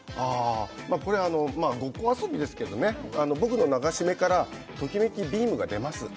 これは、ごっこ遊びですけどね、僕の流し目からときめきビームが出ます。